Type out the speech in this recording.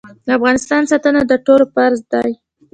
د افغانستان ساتنه د ټولو فرض دی